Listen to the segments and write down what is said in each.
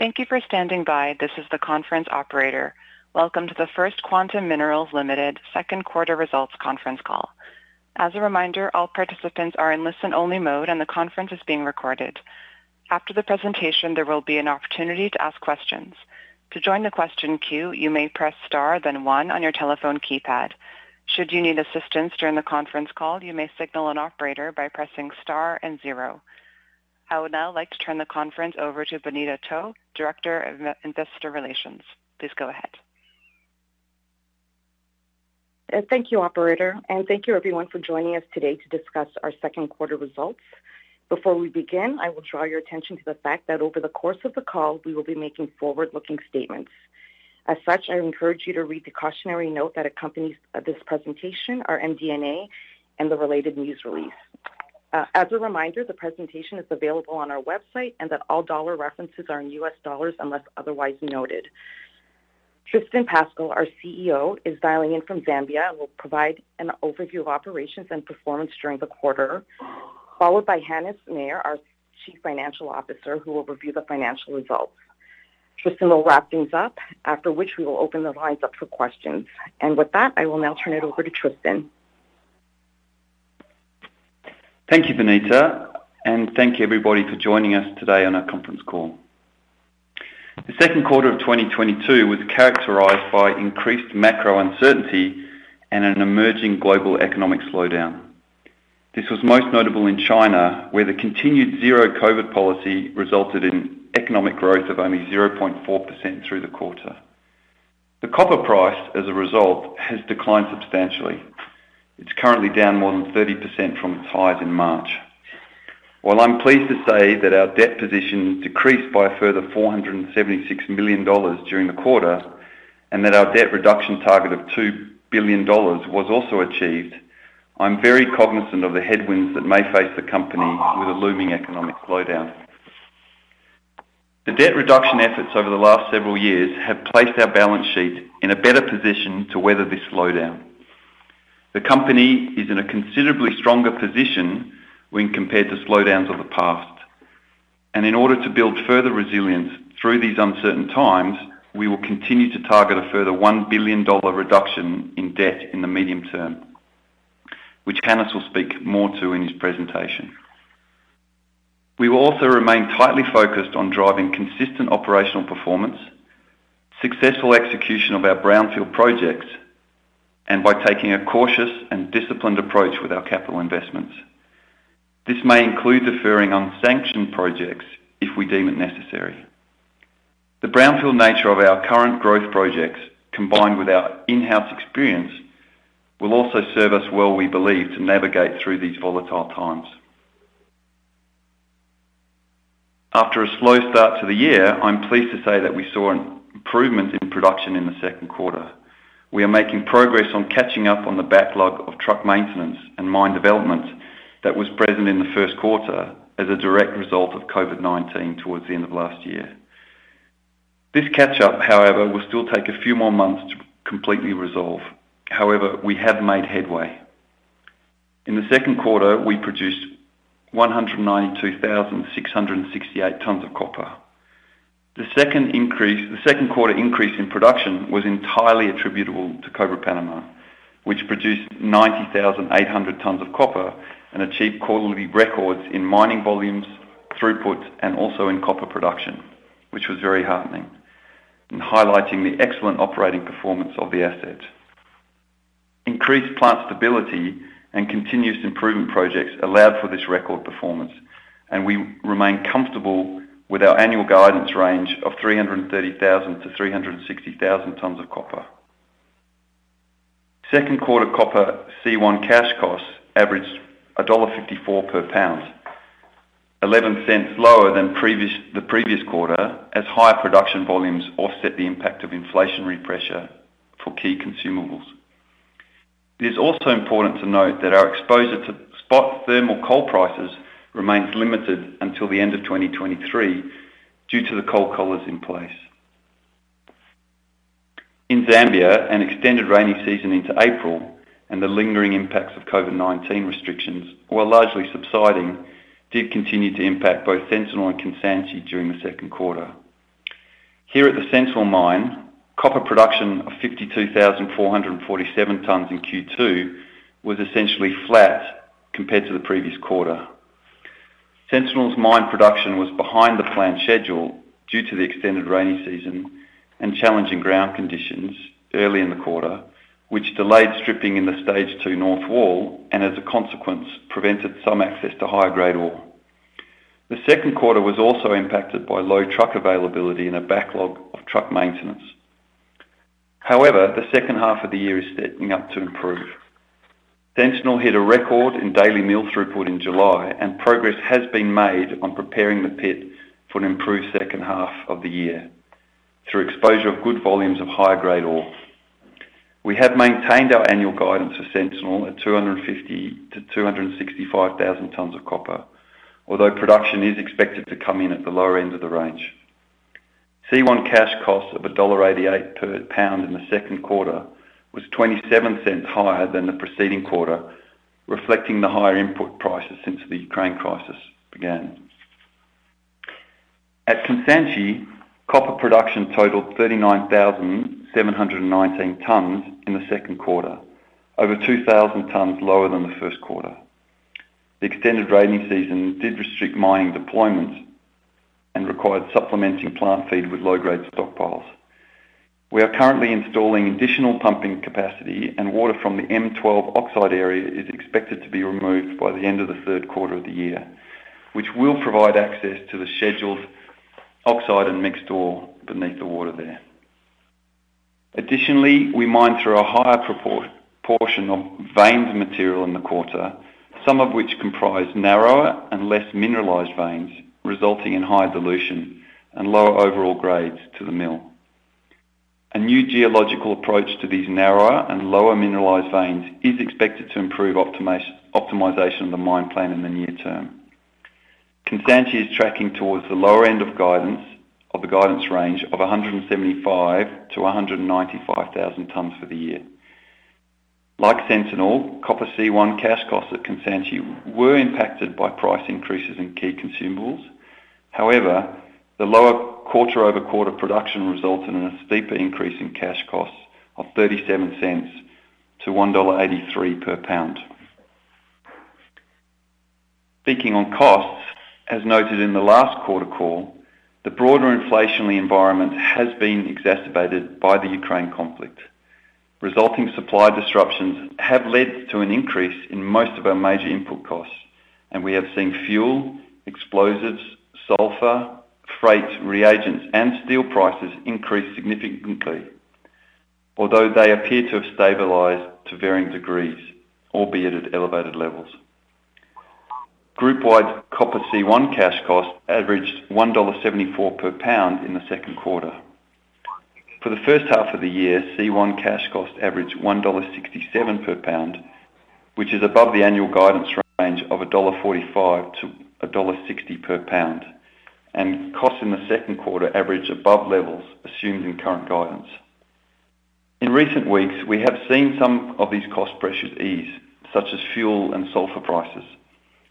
Thank you for standing by. This is the conference operator. Welcome to the First Quantum Minerals Ltd. second quarter results conference call. As a reminder, all participants are in listen-only mode, and the conference is being recorded. After the presentation, there will be an opportunity to ask questions. To join the question queue, you may press star then one on your telephone keypad. Should you need assistance during the conference call, you may signal an operator by pressing star and zero. I would now like to turn the conference over to Bonita To, Director of Investor Relations. Please go ahead. Thank you, operator, and thank you everyone for joining us today to discuss our second quarter results. Before we begin, I will draw your attention to the fact that over the course of the call, we will be making forward-looking statements. As such, I encourage you to read the cautionary note that accompanies this presentation, our MD&A, and the related news release. As a reminder, the presentation is available on our website and that all dollar references are in US dollars unless otherwise noted. Tristan Pascall, our CEO, is dialing in from Zambia and will provide an overview of operations and performance during the quarter, followed by Hannes Meyer, our Chief Financial Officer, who will review the financial results. Tristan will wrap things up, after which we will open the lines up for questions. With that, I will now turn it over to Tristan. Thank you, Bonita, and thank you everybody for joining us today on our conference call. The second quarter of 2022 was characterized by increased macro uncertainty and an emerging global economic slowdown. This was most notable in China, where the continued zero COVID policy resulted in economic growth of only 0.4% through the quarter. The copper price, as a result, has declined substantially. It's currently down more than 30% from its highs in March. While I'm pleased to say that our debt position decreased by a further $476 million during the quarter, and that our debt reduction target of $2 billion was also achieved, I'm very cognizant of the headwinds that may face the company with a looming economic slowdown. The debt reduction efforts over the last several years have placed our balance sheet in a better position to weather this slowdown. The company is in a considerably stronger position when compared to slowdowns of the past. In order to build further resilience through these uncertain times, we will continue to target a further $1 billion reduction in debt in the medium term, which Hannes will speak more to in his presentation. We will also remain tightly focused on driving consistent operational performance, successful execution of our brownfield projects, and by taking a cautious and disciplined approach with our capital investments. This may include deferring unsanctioned projects if we deem it necessary. The brownfield nature of our current growth projects, combined with our in-house experience, will also serve us well, we believe, to navigate through these volatile times. After a slow start to the year, I'm pleased to say that we saw an improvement in production in the second quarter. We are making progress on catching up on the backlog of truck maintenance and mine development that was present in the first quarter as a direct result of COVID-19 towards the end of last year. This catch-up, however, will still take a few more months to completely resolve. However, we have made headway. In the second quarter, we produced 192,668 tons of copper. The second quarter increase in production was entirely attributable to Cobre Panamá, which produced 90,800 tons of copper and achieved quarterly records in mining volumes, throughput, and also in copper production, which was very heartening in highlighting the excellent operating performance of the asset. Increased plant stability and continuous improvement projects allowed for this record performance, and we remain comfortable with our annual guidance range of 330,000-360,000 tons of copper. Second quarter copper C1 cash costs averaged $1.54 per pound, $0.11 lower than the previous quarter as higher production volumes offset the impact of inflationary pressure for key consumables. It is also important to note that our exposure to spot thermal coal prices remains limited until the end of 2023 due to the coal collars in place. In Zambia, an extended rainy season into April and the lingering impacts of COVID-19 restrictions, while largely subsiding, did continue to impact both Sentinel and Kansanshi during the second quarter. Here at the Sentinel mine, copper production of 52,447 tons in Q2 was essentially flat compared to the previous quarter. Sentinel's mine production was behind the planned schedule due to the extended rainy season and challenging ground conditions early in the quarter, which delayed stripping in the Stage 2 north wall, and as a consequence, prevented some access to higher-grade ore. The second quarter was also impacted by low truck availability and a backlog of truck maintenance. However, the second half of the year is setting up to improve. Sentinel hit a record in daily mill throughput in July, and progress has been made on preparing the pit for an improved second half of the year through exposure of good volumes of higher-grade ore. We have maintained our annual guidance for Sentinel at 250,000-265,000 tons of copper. Although production is expected to come in at the lower end of the range. C1 cash costs of $1.88 per pound in the second quarter was $0.27 higher than the preceding quarter. Reflecting the higher input prices since the Ukraine crisis began. At Kansanshi, copper production totaled 39,719 tons in the second quarter. Over 2,000 tons lower than the first quarter. The extended rainy season did restrict mining deployments and required supplementing plant feed with low-grade stockpiles. We are currently installing additional pumping capacity and water from the M12 oxide area is expected to be removed by the end of the third quarter of the year, which will provide access to the scheduled oxide and mixed ore beneath the water there. Additionally, we mined through a higher portion of veined material in the quarter, some of which comprise narrower and less mineralized veins, resulting in high dilution and lower overall grades to the mill. A new geological approach to these narrower and lower mineralized veins is expected to improve optimization of the mine plan in the near term. Kansanshi is tracking towards the lower end of guidance, of the guidance range of 175,000-195,000 tons for the year. Like Sentinel, copper C1 cash costs at Kansanshi were impacted by price increases in key consumables. However, the lower quarter-over-quarter production resulted in a steeper increase in cash costs of $0.37 to $1.83 per pound. Speaking on costs, as noted in the last quarter call, the broader inflationary environment has been exacerbated by the Ukraine conflict. Resulting supply disruptions have led to an increase in most of our major input costs, and we have seen fuel, explosives, sulfur, freight, reagents, and steel prices increase significantly. Although they appear to have stabilized to varying degrees, albeit at elevated levels. Group-wide copper C1 cash costs averaged $1.74 per pound in the second quarter. For the first half of the year, C1 cash costs averaged $1.67 per pound, which is above the annual guidance range of $1.45-$1.60 per pound. Costs in the second quarter averaged above levels assumed in current guidance. In recent weeks, we have seen some of these cost pressures ease, such as fuel and sulfur prices,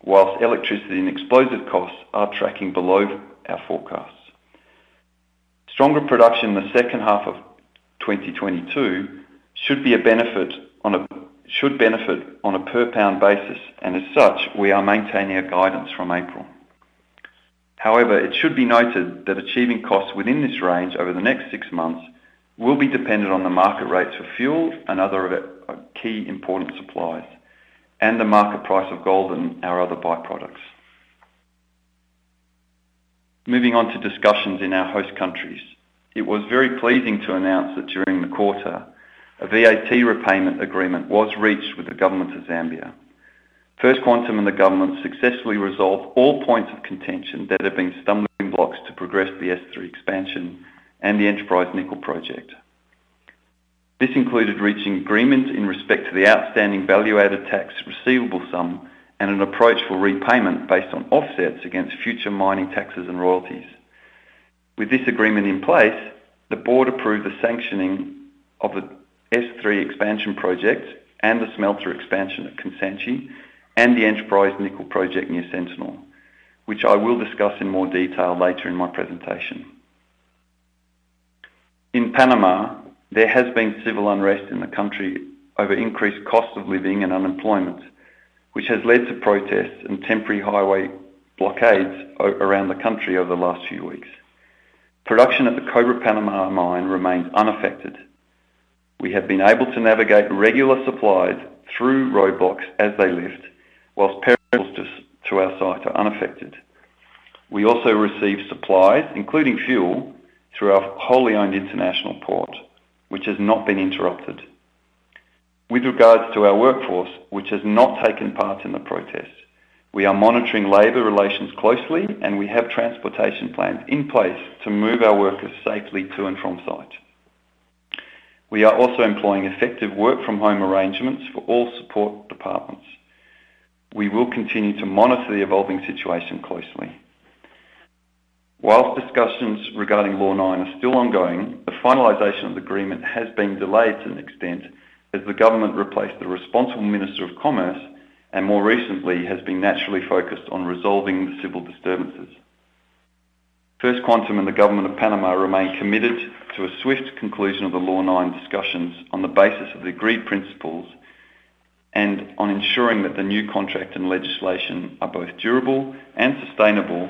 while electricity and explosive costs are tracking below our forecasts. Stronger production in the second half of 2022 should benefit on a per pound basis, and as such, we are maintaining our guidance from April. However, it should be noted that achieving costs within this range over the next six months will be dependent on the market rates for fuel and other key important supplies and the market price of gold and our other by-products. Moving on to discussions in our host countries. It was very pleasing to announce that during the quarter, a VAT repayment agreement was reached with the government of Zambia. First Quantum and the government successfully resolved all points of contention that had been stumbling blocks to progress the S3 Expansion and the Enterprise Nickel Mine. This included reaching agreement in respect to the outstanding value-added tax receivable sum and an approach for repayment based on offsets against future mining taxes and royalties. With this agreement in place, the board approved the sanctioning of the S3 Expansion project and the smelter expansion at Kansanshi and the Enterprise Nickel Mine near Sentinel, which I will discuss in more detail later in my presentation. In Panama, there has been civil unrest in the country over increased cost of living and unemployment, which has led to protests and temporary highway blockades around the country over the last few weeks. Production at the Cobre Panamá Mine remained unaffected. We have been able to navigate regular supplies through roadblocks as they lift, while those to our site are unaffected. We also receive supplies, including fuel, through our wholly owned international port, which has not been interrupted. With regards to our workforce, which has not taken part in the protests, we are monitoring labor relations closely, and we have transportation plans in place to move our workers safely to and from site. We are also employing effective work from home arrangements for all support departments. We will continue to monitor the evolving situation closely. While discussions regarding Law 9 are still ongoing, the finalization of the agreement has been delayed to an extent as the government replaced the responsible minister of commerce, and more recently, has been naturally focused on resolving the civil disturbances. First Quantum and the government of Panama remain committed to a swift conclusion of the Law 9 discussions on the basis of the agreed principles and on ensuring that the new contract and legislation are both durable and sustainable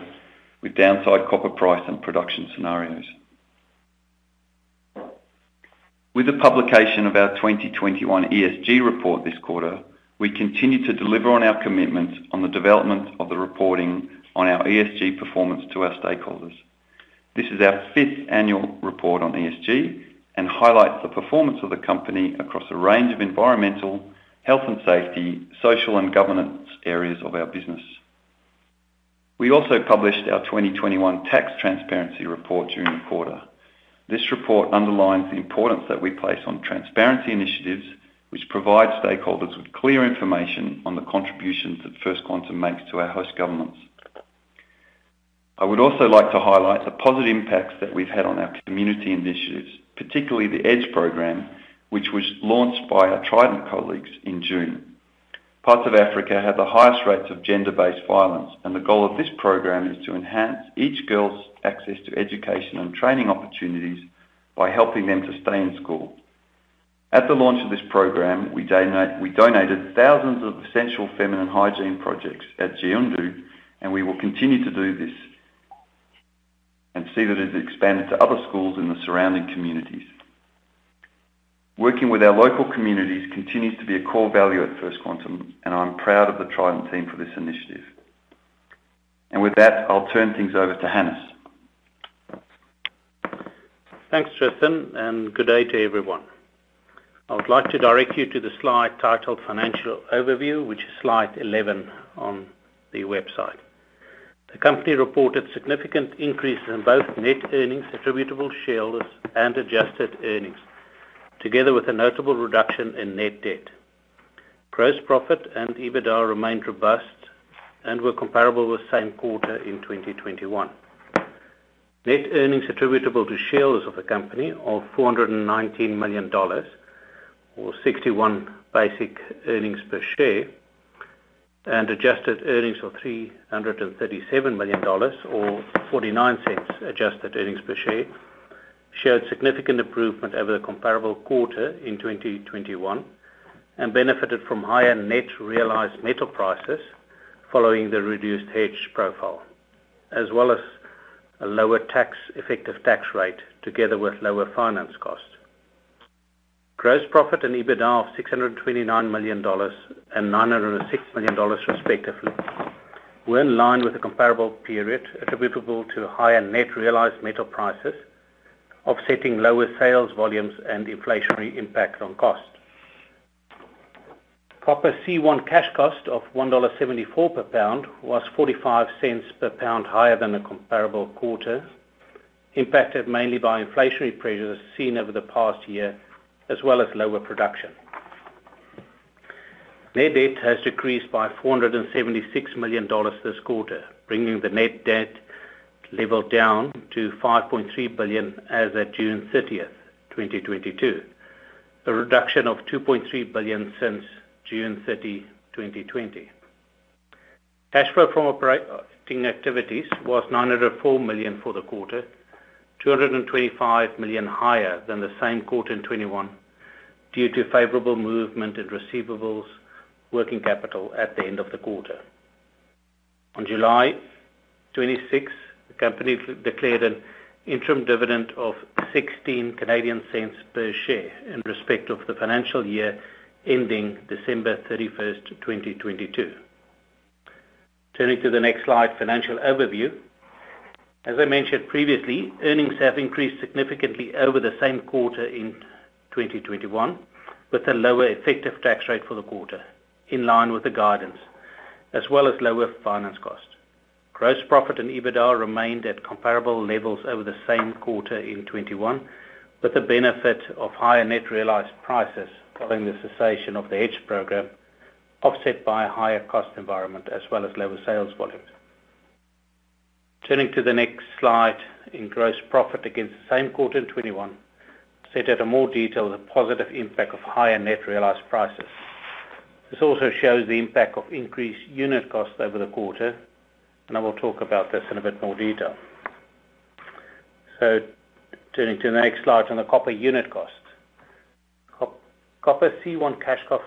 with downside copper price and production scenarios. With the publication of our 2021 ESG report this quarter, we continue to deliver on our commitments on the development of the reporting on our ESG performance to our stakeholders. This is our fifth annual report on ESG and highlights the performance of the company across a range of environmental, health and safety, social, and governance areas of our business. We also published our 2021 tax transparency report during the quarter. This report underlines the importance that we place on transparency initiatives, which provide stakeholders with clear information on the contributions that First Quantum makes to our host governments. I would also like to highlight the positive impacts that we've had on our community initiatives, particularly the EDGE program, which was launched by our Trident colleagues in June. Parts of Africa have the highest rates of gender-based violence, and the goal of this program is to enhance each girl's access to education and training opportunities by helping them to stay in school. At the launch of this program, we donated thousands of essential feminine hygiene products at Jiundu, and we will continue to do this and see that it is expanded to other schools in the surrounding communities. Working with our local communities continues to be a core value at First Quantum, and I'm proud of the Trident team for this initiative. With that, I'll turn things over to Hannes. Thanks, Tristan, and good day to everyone. I would like to direct you to the slide titled Financial Overview, which is Slide 11 on the website. The company reported significant increases in both net earnings attributable to shareholders and adjusted earnings, together with a notable reduction in net debt. Gross profit and EBITDA remained robust and were comparable with same quarter in 2021. Net earnings attributable to shareholders of the company of $419 million, or 61 basic earnings per share, and adjusted earnings of $337 million or $0.49 adjusted earnings per share, showed significant improvement over the comparable quarter in 2021 and benefited from higher net realized metal prices following the reduced hedge profile, as well as a lower effective tax rate together with lower finance costs. Gross profit and EBITDA of $629 million and $906 million respectively were in line with the comparable period attributable to higher net realized metal prices, offsetting lower sales volumes and inflationary impacts on costs. Copper C1 cash cost of $1.74 per pound was $0.45 per pound higher than the comparable quarter, impacted mainly by inflationary pressures seen over the past year, as well as lower production. Net debt has decreased by $476 million this quarter, bringing the net debt level down to $5.3 billion as at June 30th, 2022, a reduction of $2.3 billion since June 30, 2020. Cash flow from operating activities was $904 million for the quarter, $225 million higher than the same quarter in 2021 due to favorable movement in receivables working capital at the end of the quarter. On July 26th, the company declared an interim dividend of 0.16 per share in respect of the financial year ending December 31st, 2022. Turning to the next slide, financial overview. As I mentioned previously, earnings have increased significantly over the same quarter in 2021, with a lower effective tax rate for the quarter in line with the guidance, as well as lower finance costs. Gross profit and EBITDA remained at comparable levels over the same quarter in 2021, with the benefit of higher net realized prices following the cessation of the hedge program, offset by a higher cost environment as well as lower sales volumes. Turning to the next slide in gross profit against the same quarter in 2021, set out in more detail the positive impact of higher net realized prices. This also shows the impact of increased unit costs over the quarter, and I will talk about this in a bit more detail. Turning to the next slide on the copper unit cost. Copper C1 cash cost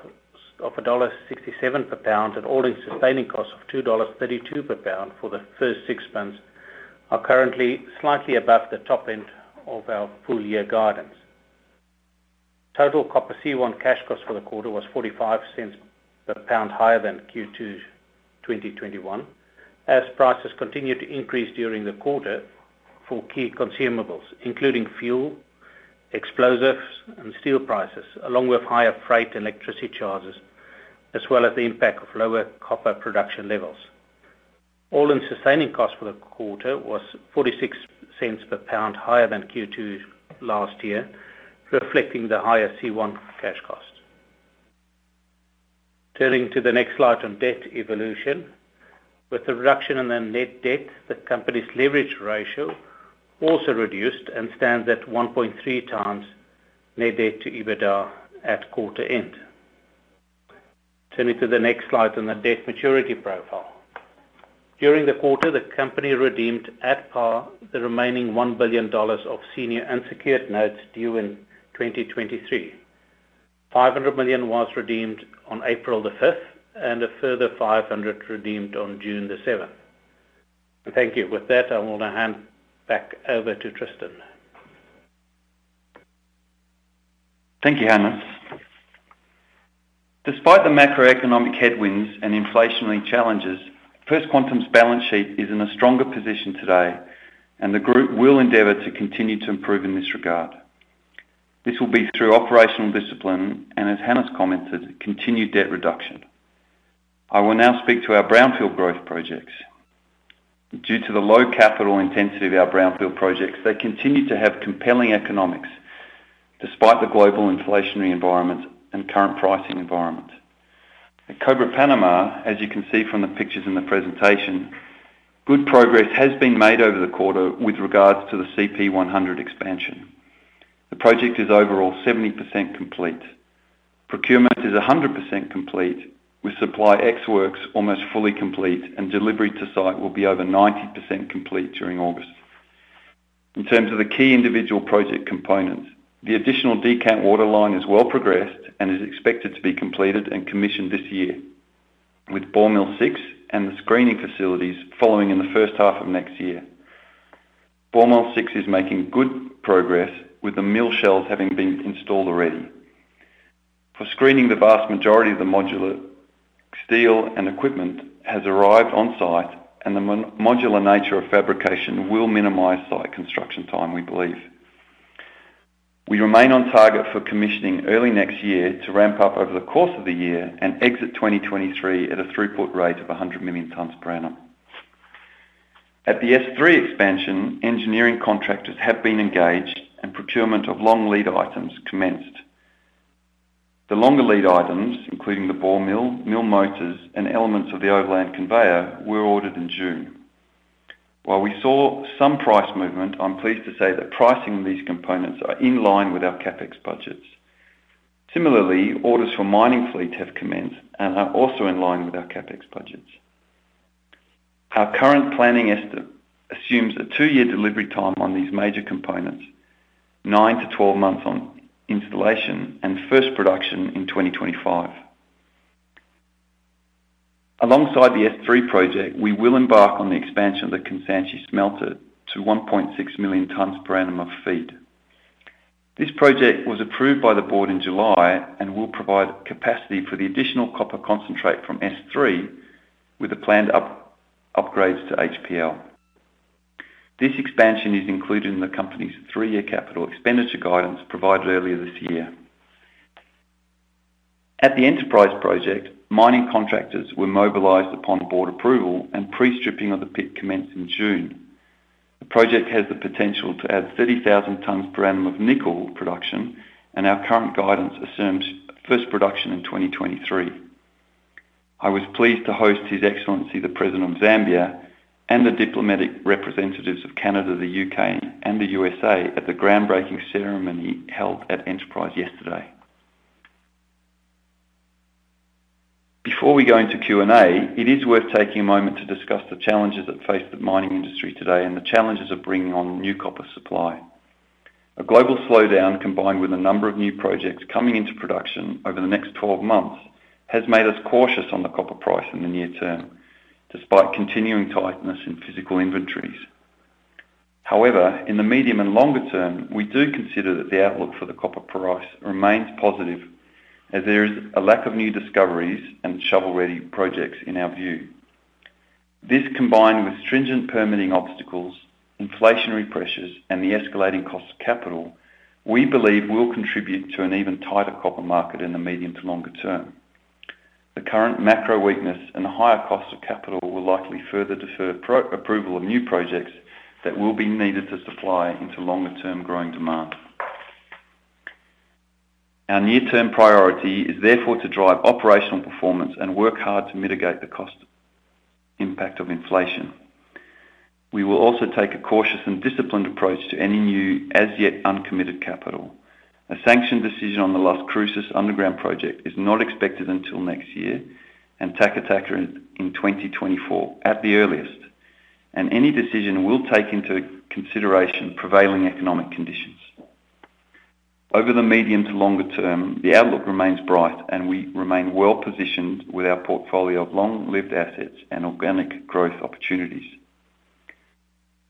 of $1.67 per pound and all-in sustaining costs of $2.32 per pound for the first six months are currently slightly above the top end of our full year guidance. Total copper C1 cash costs for the quarter was $0.45 per pound higher than Q2 2021, as prices continued to increase during the quarter for key consumables, including fuel, explosives and steel prices, along with higher freight and electricity charges, as well as the impact of lower copper production levels. All-in sustaining costs for the quarter was $0.46 per pound higher than Q2 last year, reflecting the higher C1 cash costs. Turning to the next slide on debt evolution. With the reduction in the net debt, the company's leverage ratio also reduced and stands at 1.3 times net debt to EBITDA at quarter end. Turning to the next slide on the debt maturity profile. During the quarter, the company redeemed at par the remaining $1 billion of senior unsecured notes due in 2023. $500 million was redeemed on April 5, and a further $500 million redeemed on June 7. Thank you. With that, I want to hand back over to Tristan. Thank you, Hannes. Despite the macroeconomic headwinds and inflationary challenges, First Quantum's balance sheet is in a stronger position today, and the group will endeavor to continue to improve in this regard. This will be through operational discipline and, as Hannes commented, continued debt reduction. I will now speak to our brownfield growth projects. Due to the low capital intensity of our brownfield projects, they continue to have compelling economics despite the global inflationary environment and current pricing environment. At Cobre Panamá, as you can see from the pictures in the presentation, good progress has been made over the quarter with regards to the CP100 expansion. The project is overall 70% complete. Procurement is 100% complete, with supply ex works almost fully complete, and delivery to site will be over 90% complete during August. In terms of the key individual project components, the additional decant water line is well progressed and is expected to be completed and commissioned this year, with Ball Mill 6 and the screening facilities following in the first half of next year. Ball Mill 6 is making good progress with the mill shells having been installed already. For screening, the vast majority of the modular steel and equipment has arrived on site, and the non-modular nature of fabrication will minimize site construction time, we believe. We remain on target for commissioning early next year to ramp up over the course of the year and exit 2023 at a throughput rate of 100 million tons per annum. At the S3 Expansion, engineering contractors have been engaged and procurement of long lead items commenced. The longer lead items, including the ball mill motors, and elements of the overland conveyor, were ordered in June. While we saw some price movement, I'm pleased to say that pricing of these components are in line with our CapEx budgets. Similarly, orders for mining fleet have commenced and are also in line with our CapEx budgets. Our current planning estimate assumes a two-year delivery time on these major components nine to 12 months on installation, and first production in 2025. Alongside the S3 project, we will embark on the expansion of the Kansanshi smelter to 1.6 million tons per annum of feed. This project was approved by the board in July and will provide capacity for the additional copper concentrate from S3 with the planned upgrades to HPL. This expansion is included in the company's 3-year capital expenditure guidance provided earlier this year. At the Enterprise project, mining contractors were mobilized upon board approval and pre-stripping of the pit commenced in June. The project has the potential to add 30,000 tons per annum of nickel production, and our current guidance assumes first production in 2023. I was pleased to host His Excellency, the President of Zambia, and the diplomatic representatives of Canada, the U.K., and the U.S.A. at the groundbreaking ceremony held at Enterprise yesterday. Before we go into Q&A, it is worth taking a moment to discuss the challenges that face the mining industry today and the challenges of bringing on new copper supply. A global slowdown, combined with a number of new projects coming into production over the next 12 months, has made us cautious on the copper price in the near term, despite continuing tightness in physical inventories. However, in the medium and longer term, we do consider that the outlook for the copper price remains positive as there is a lack of new discoveries and shovel-ready projects in our view. This, combined with stringent permitting obstacles, inflationary pressures, and the escalating cost of capital, we believe, will contribute to an even tighter copper market in the medium to longer term. The current macro weakness and the higher cost of capital will likely further defer pro-approval of new projects that will be needed to supply into longer-term growing demand. Our near-term priority is therefore to drive operational performance and work hard to mitigate the cost impact of inflation. We will also take a cautious and disciplined approach to any new as-yet-uncommitted capital. A sanction decision on the Las Cruces underground project is not expected until next year, and Taca Taca in 2024 at the earliest. Any decision will take into consideration prevailing economic conditions. Over the medium to longer term, the outlook remains bright, and we remain well-positioned with our portfolio of long-lived assets and organic growth opportunities.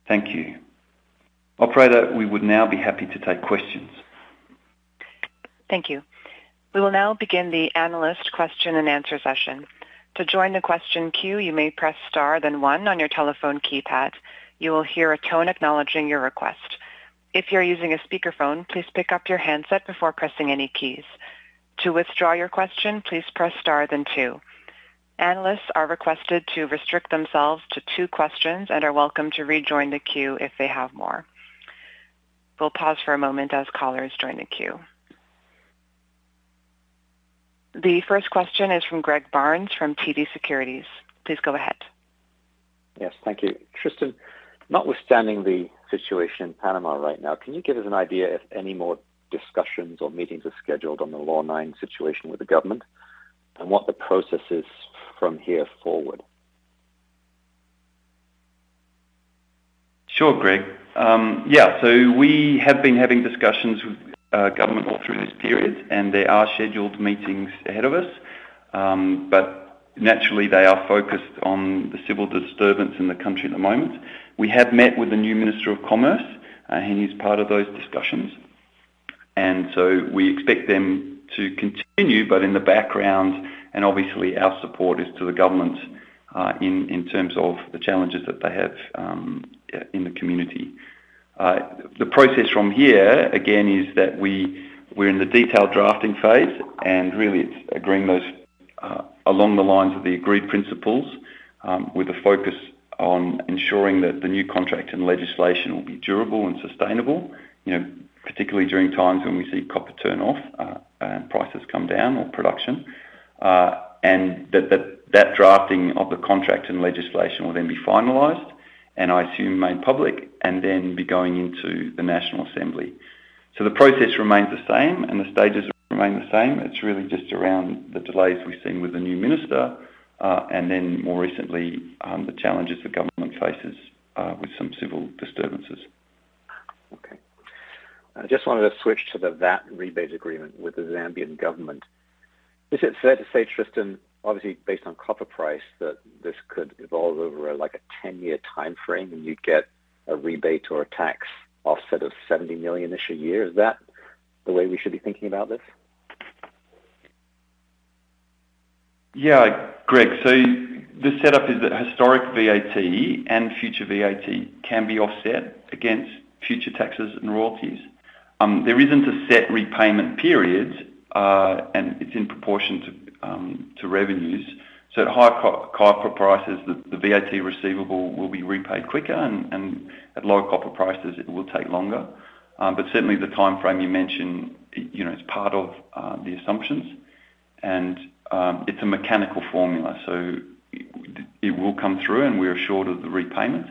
Thank you. Operator, we would now be happy to take questions. Thank you. We will now begin the analyst question and answer session. To join the question queue, you may press star then one on your telephone keypad. You will hear a tone acknowledging your request. If you're using a speakerphone, please pick up your handset before pressing any keys. To withdraw your question, please press star then two. Analysts are requested to restrict themselves to two questions and are welcome to rejoin the queue if they have more. We'll pause for a moment as callers join the queue. The first question is from Greg Barnes from TD Securities. Please go ahead. Yes, thank you. Tristan, notwithstanding the situation in Panama right now, can you give us an idea if any more discussions or meetings are scheduled on the Law 9 situation with the government, and what the process is from here forward? Sure, Greg. Yeah. We have been having discussions with government all through this period, and there are scheduled meetings ahead of us. Naturally they are focused on the civil disturbance in the country at the moment. We have met with the new Minister of Commerce, and he's part of those discussions. We expect them to continue, but in the background, and obviously our support is to the government in terms of the challenges that they have in the community. The process from here again is that we're in the detailed drafting phase, and really it's agreeing those along the lines of the agreed principles with a focus on ensuring that the new contract and legislation will be durable and sustainable. You know, particularly during times when we see copper turn off, and prices come down or production. And that drafting of the contract and legislation will then be finalized and I assume made public and then be going into the National Assembly. The process remains the same and the stages remain the same. It's really just around the delays we've seen with the new minister, and then more recently, the challenges the government faces, with some civil disturbances. Okay. I just wanted to switch to the VAT rebate agreement with the Zambian government. Is it fair to say, Tristan, obviously based on copper price, that this could evolve over, like, a 10-year time frame and you'd get a rebate or a tax offset of $70 millionish a year? Is that the way we should be thinking about this? Yeah, Greg. The setup is that historic VAT and future VAT can be offset against future taxes and royalties. There isn't a set repayment period, and it's in proportion to revenues. At high copper prices, the VAT receivable will be repaid quicker and at lower copper prices, it will take longer. But certainly the time frame you mentioned, you know, is part of the assumptions and it's a mechanical formula. It will come through, and we're assured of the repayment.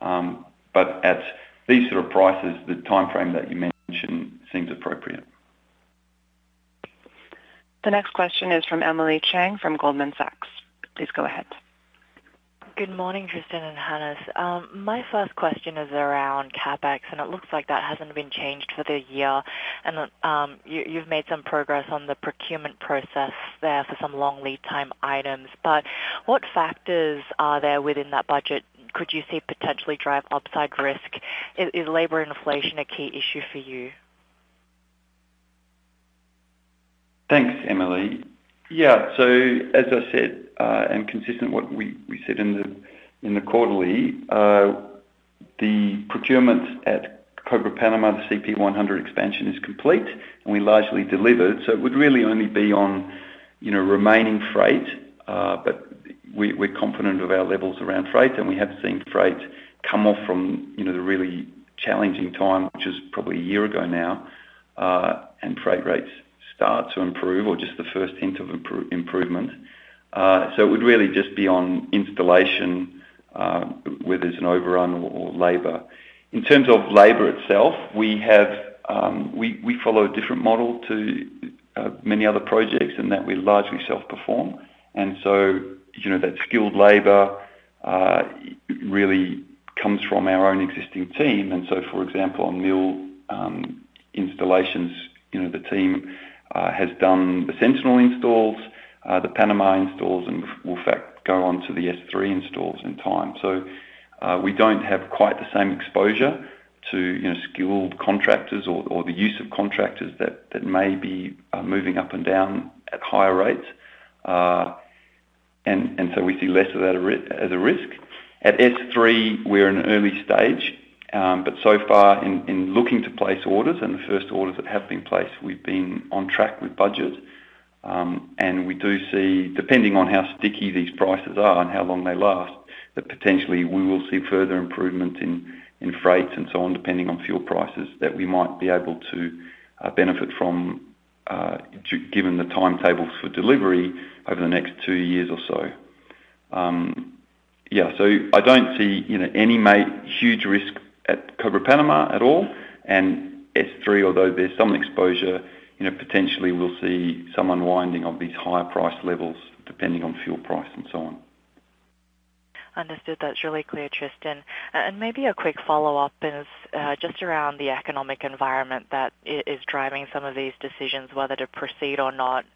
But at these sort of prices, the time frame that you mentioned seems appropriate. The next question is from Emily Chieng from Goldman Sachs. Please go ahead. Good morning, Tristan and Hannes. My first question is around CapEx, and it looks like that hasn't been changed for the year. You've made some progress on the procurement process there for some long lead time items. What factors are there within that budget could you see potentially drive upside risk? Is labor inflation a key issue for you? Thanks, Emily. Yeah. As I said, and consistent with what we said in the quarterly, the procurement at Cobre Panamá, the CP100 expansion, is complete, and we largely delivered, so it would really only be on, you know, remaining freight. But we're confident of our levels around freight, and we have seen freight come off from, you know, the really challenging time, which is probably a year ago now, and freight rates start to improve or just the first hint of improvement. It would really just be on installation, where there's an overrun or labor. In terms of labor itself, we have, we follow a different model to many other projects in that we largely self-perform. You know, that skilled labor really comes from our own existing team. For example, on mill installations, you know, the team has done the Sentinel installs, the Panama installs, and will in fact go on to the S3 installs in time. We don't have quite the same exposure to, you know, skilled contractors or the use of contractors that may be moving up and down at higher rates. We see less of that as a risk. At S3, we're in an early stage, but so far in looking to place orders and the first orders that have been placed, we've been on track with budget. We do see, depending on how sticky these prices are and how long they last, that potentially we will see further improvement in freight and so on, depending on fuel prices, that we might be able to benefit from, given the timetables for delivery over the next two years or so. I don't see, you know, any huge risk at Cobre Panamá at all. And S3, although there's some exposure, you know, potentially we'll see some unwinding of these higher price levels depending on fuel price and so on. Understood. That's really clear, Tristan. Maybe a quick follow-up is just around the economic environment that is driving some of these decisions, whether to proceed or not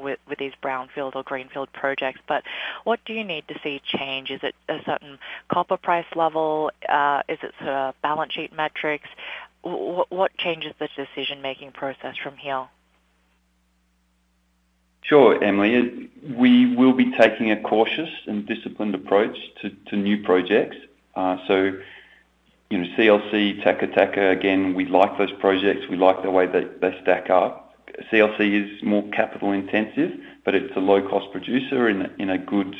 with these brownfield or greenfield projects. What do you need to see change? Is it a certain copper price level? Is it balance sheet metrics? What changes the decision-making process from here? Sure, Emily. We will be taking a cautious and disciplined approach to new projects. You know, CLC, Taca Taca, again, we like those projects. We like the way they stack up. CLC is more capital intensive, but it's a low-cost producer in a good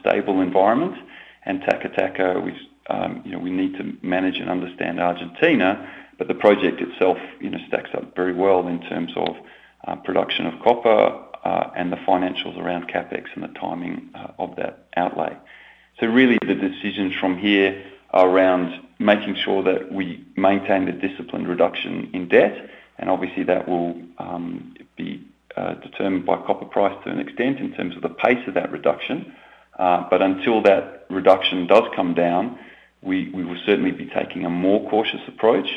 stable environment. Taca Taca, you know, we need to manage and understand Argentina, but the project itself, you know, stacks up very well in terms of production of copper and the financials around CapEx and the timing of that outlay. Really the decisions from here are around making sure that we maintain the disciplined reduction in debt, and obviously that will be determined by copper price to an extent in terms of the pace of that reduction. Until that reduction does come down, we will certainly be taking a more cautious approach,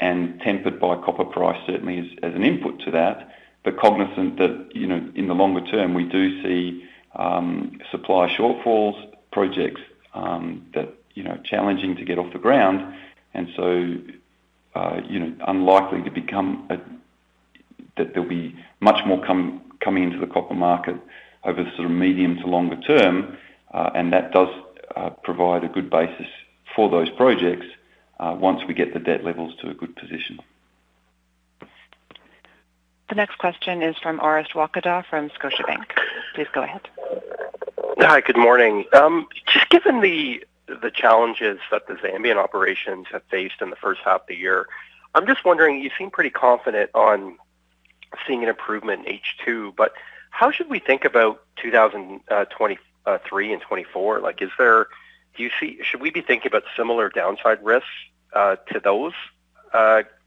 and tempered by copper price certainly as an input to that. Cognizant that, you know, in the longer term, we do see supply shortfalls, projects that, you know, challenging to get off the ground. You know, that there'll be much more coming into the copper market over sort of medium to longer term, and that does provide a good basis for those projects once we get the debt levels to a good position. The next question is from Orest Wowkodaw from Scotiabank. Please go ahead. Hi, good morning. Just given the challenges that the Zambian operations have faced in the first half of the year, I'm just wondering, you seem pretty confident on seeing an improvement in H2, but how should we think about 2023 and 2024? Like, should we be thinking about similar downside risks to those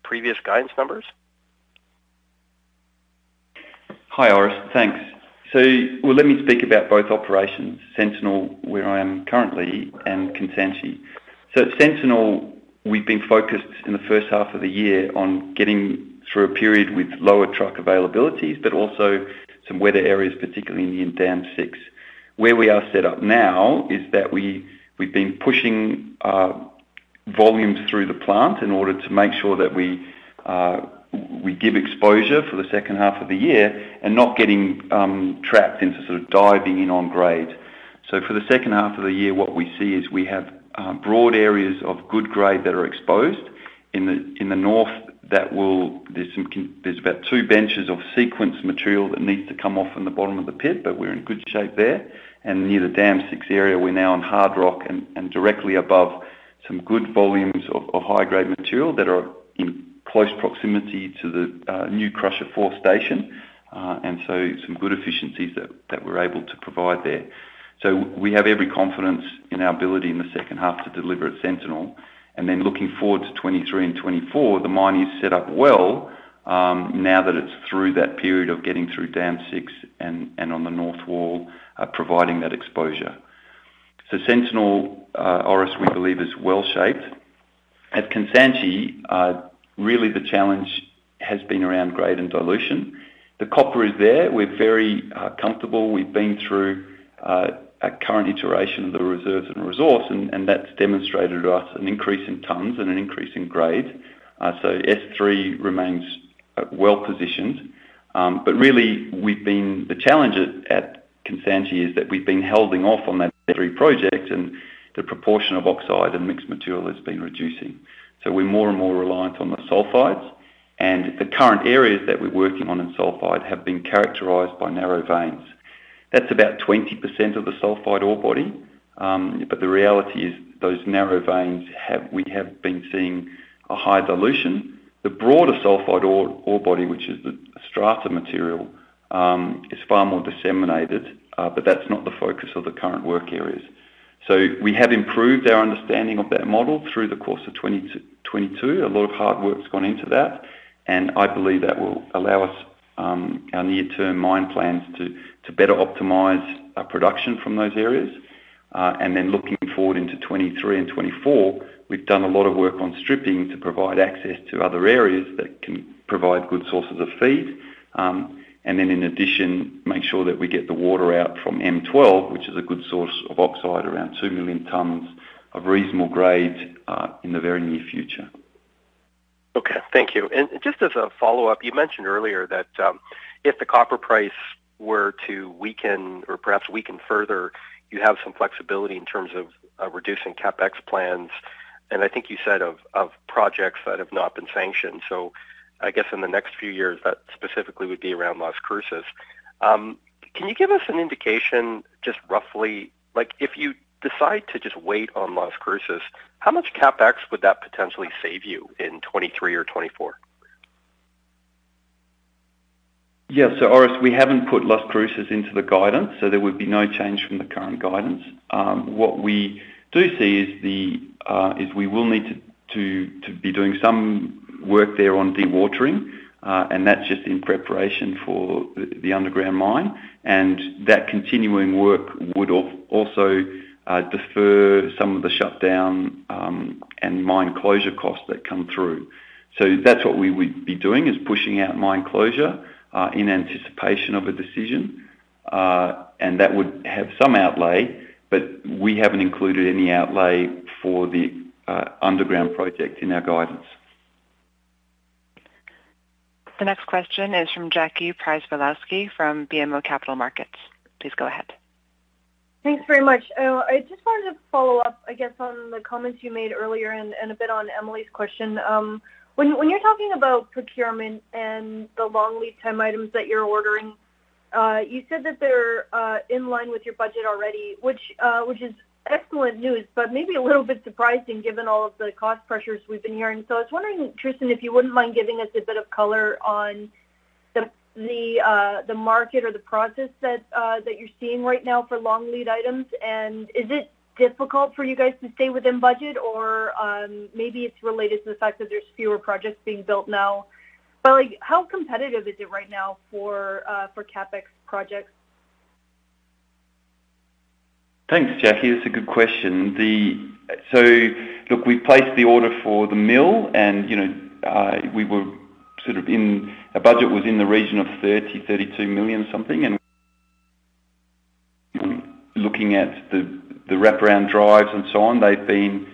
previous guidance numbers? Hi, Orest. Thanks. Well, let me speak about both operations, Sentinel, where I am currently, and Kansanshi. At Sentinel, we've been focused in the first half of the year on getting through a period with lower truck availabilities, but also some weather areas, particularly in Dam 6. Where we are set up now is that we've been pushing volumes through the plant in order to make sure that we give exposure for the second half of the year and not getting trapped into sort of diving in on grade. For the second half of the year, what we see is we have broad areas of good grade that are exposed. In the north, that will. There's about two benches of sequence material that needs to come off from the bottom of the pit, but we're in good shape there. Near the Dam 6 area, we're now on hard rock and directly above some good volumes of high-grade material that are in close proximity to the new crusher 4 station, and some good efficiencies that we're able to provide there. We have every confidence in our ability in the second half to deliver at Sentinel. Then looking forward to 2023 and 2024, the mine is set up well, now that it's through that period of getting through Dam 6 and on the north wall, providing that exposure. Sentinel, Orest, we believe is well shaped. At Kansanshi, really the challenge has been around grade and dilution. The copper is there. We're very comfortable. We've been through a current iteration of the reserves and resource, and that's demonstrated to us an increase in tons and an increase in grade. S3 remains well positioned. Really, the challenge at Kansanshi is that we've been holding off on that battery project and the proportion of oxide and mixed material has been reducing. We're more and more reliant on the sulfides. The current areas that we're working on in sulfide have been characterized by narrow veins. That's about 20% of the sulfide ore body. The reality is those narrow veins, we have been seeing a high dilution. The broader sulfide ore body, which is the strata material, is far more disseminated, but that's not the focus of the current work areas. We have improved our understanding of that model through the course of 2022. A lot of hard work's gone into that, and I believe that will allow us, our near-term mine plans to better optimize our production from those areas. Looking forward into 2023 and 2024, we've done a lot of work on stripping to provide access to other areas that can provide good sources of feed. In addition, make sure that we get the water out from M12, which is a good source of oxide, around 2 million tons of reasonable grade, in the very near future. Okay. Thank you. Just as a follow-up, you mentioned earlier that if the copper price were to weaken or perhaps weaken further, you'd have some flexibility in terms of reducing CapEx plans, and I think you said of projects that have not been sanctioned. I guess in the next few years, that specifically would be around Las Cruces. Can you give us an indication just roughly? Like, if you decide to just wait on Las Cruces, how much CapEx would that potentially save you in 2023 or 2024? Yeah. Orest, we haven't put Las Cruces into the guidance, so there would be no change from the current guidance. What we do see is we will need to be doing some work there on dewatering, and that's just in preparation for the underground mine. That continuing work would also defer some of the shutdown and mine closure costs that come through. That's what we would be doing, is pushing out mine closure in anticipation of a decision. That would have some outlay, but we haven't included any outlay for the underground project in our guidance. The next question is from Jackie Przybylowski from BMO Capital Markets. Please go ahead. Thanks very much. I just wanted to follow up, I guess, on the comments you made earlier and a bit on Emily's question. When you're talking about procurement and the long lead time items that you're ordering, you said that they're in line with your budget already which is excellent news, but maybe a little bit surprising given all of the cost pressures we've been hearing. I was wondering, Tristan, if you wouldn't mind giving us a bit of color on the market or the process that you're seeing right now for long lead items. Is it difficult for you guys to stay within budget? Maybe it's related to the fact that there's fewer projects being built now. Like, how competitive is it right now for CapEx projects? Thanks, Jackie. That's a good question. Look, we've placed the order for the mill and, you know, we were sort of in our budget was in the region of $30 million-$32 million something. Looking at the wraparound drives and so on, they've been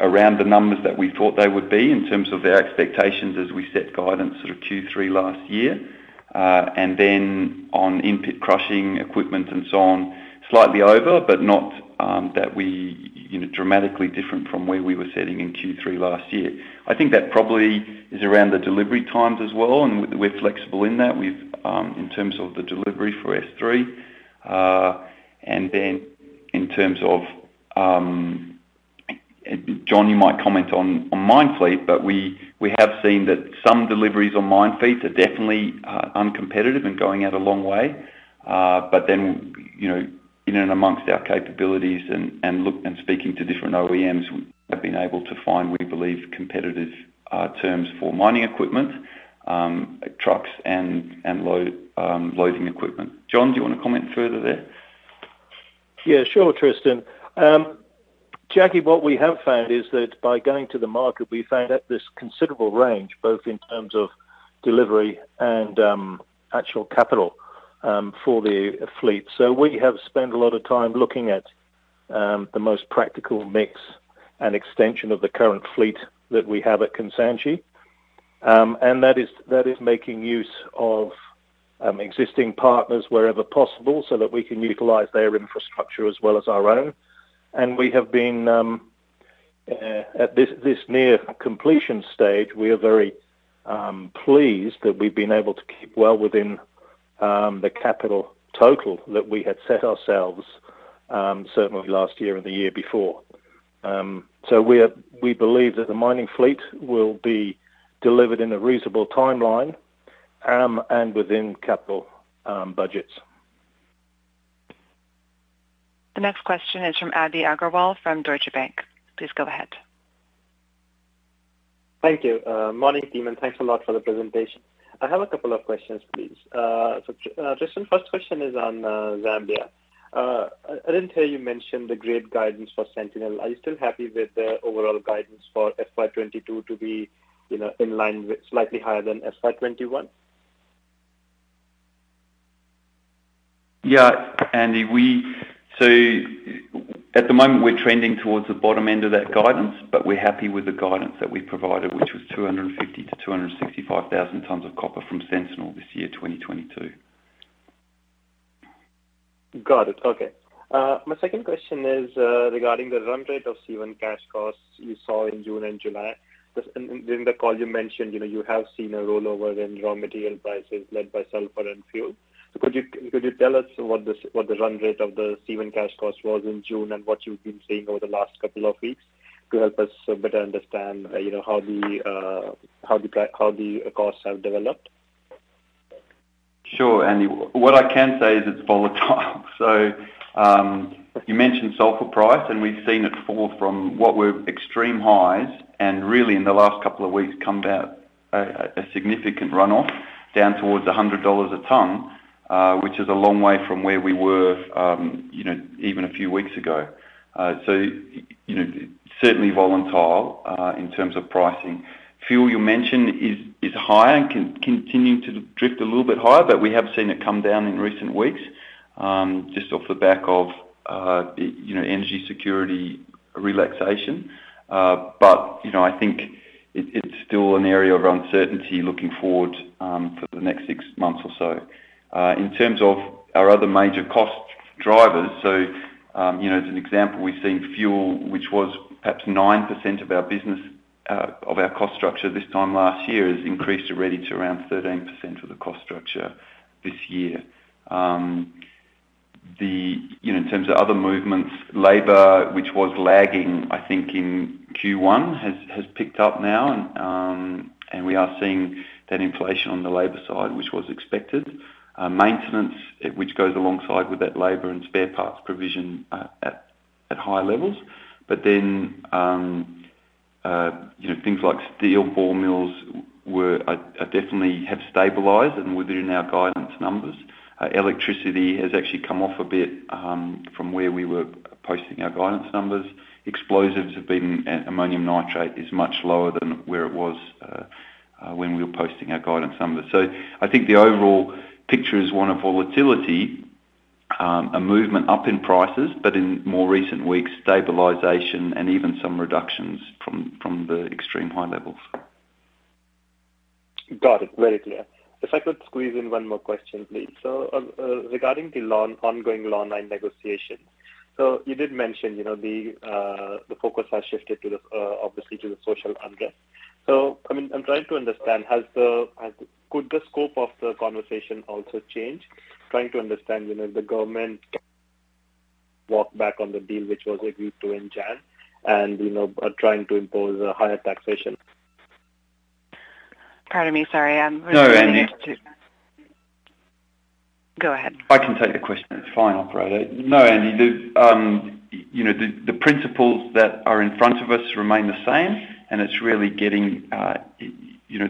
around the numbers that we thought they would be in terms of our expectations as we set guidance sort of Q3 last year. On in-pit crushing equipment and so on, slightly over, but not that we, you know, dramatically different from where we were sitting in Q3 last year. I think that probably is around the delivery times as well, and we're flexible in that. We've in terms of the delivery for S3. In terms of John, you might comment on mine fleet, but we have seen that some deliveries on mine fleets are definitely uncompetitive and going out a long way. You know, in and amongst our capabilities and look and speaking to different OEMs, we have been able to find, we believe, competitive terms for mining equipment, trucks and loading equipment. John, do you want to comment further there? Yeah, sure, Tristan. Jackie, what we have found is that by going to the market, we found out there's considerable range, both in terms of delivery and actual capital for the fleet. We have spent a lot of time looking at the most practical mix and extension of the current fleet that we have at Kansanshi. That is making use of existing partners wherever possible so that we can utilize their infrastructure as well as our own. We have been at this near completion stage. We are very pleased that we've been able to keep well within the capital total that we had set ourselves, certainly last year or the year before. We believe that the mining fleet will be delivered in a reasonable timeline and within capital budgets. The next question is from Abhinandan Agarwal from Deutsche Bank. Please go ahead. Thank you. Morning, team, and thanks a lot for the presentation. I have a couple of questions, please. Tristan, first question is on Zambia. I didn't hear you mention the great guidance for Sentinel. Are you still happy with the overall guidance for FY 2022 to be, you know, in line with slightly higher than FY 2021? Yeah, Abhi, at the moment, we're trending towards the bottom end of that guidance, but we're happy with the guidance that we provided, which was 250,000-265,000 tons of copper from Sentinel this year, 2022. Got it. Okay. My second question is regarding the run rate of C1 cash costs you saw in June and July. Just in the call you mentioned, you know, you have seen a rollover in raw material prices led by sulfur and fuel. Could you tell us what the run rate of the C1 cash cost was in June and what you've been seeing over the last couple of weeks to help us better understand, you know, how the costs have developed? Sure, Abhi. What I can say is it's volatile. You mentioned sulfur price, and we've seen it fall from what were extreme highs, and really in the last couple of weeks, come down a significant runoff down towards $100 a ton, which is a long way from where we were, you know, even a few weeks ago. Certainly volatile in terms of pricing. Fuel, you mentioned, is high and continuing to drift a little bit higher, but we have seen it come down in recent weeks, just off the back of, you know, energy security relaxation. It’s still an area of uncertainty looking forward for the next six months or so. In terms of our other major cost drivers, you know, as an example, we've seen fuel, which was perhaps 9% of our business, of our cost structure this time last year, has increased already to around 13% of the cost structure this year. You know, in terms of other movements, labor, which was lagging, I think in Q1, has picked up now. We are seeing that inflation on the labor side, which was expected. Maintenance, which goes alongside with that labor and spare parts provision, at high levels. You know, things like steel, ball mills are definitely have stabilized and within our guidance numbers. Electricity has actually come off a bit from where we were posting our guidance numbers. Ammonium nitrate is much lower than where it was, when we were posting our guidance numbers. I think the overall picture is one of volatility, a movement up in prices, but in more recent weeks, stabilization and even some reductions from the extreme high levels. Got it. Very clear. If I could squeeze in one more question, please. Regarding the ongoing Law 9 negotiation. You did mention, you know, the focus has shifted to, obviously, the social unrest. I mean, I'm trying to understand, could the scope of the conversation also change. Trying to understand, you know, the government walk back on the deal which was agreed to in Jan and, you know, are trying to impose a higher taxation. Pardon me. Sorry. I'm No, Abhi. Go ahead. I can take the question. It's fine, operator. No, Abhi. You know, the principles that are in front of us remain the same, and it's really getting, you know,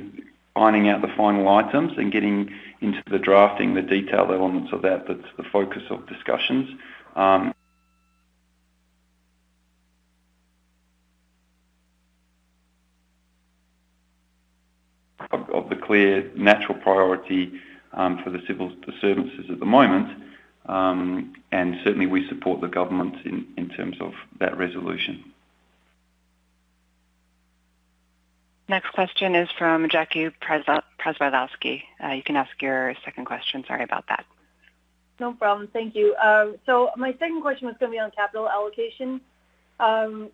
ironing out the final items and getting into the drafting, the detailed elements of that that's the focus of discussions. Of the clear natural priority for the civil disturbances at the moment, and certainly we support the government in terms of that resolution. Next question is from Jackie Przybylowski. You can ask your second question. Sorry about that. No problem. Thank you. My second question was gonna be on capital allocation.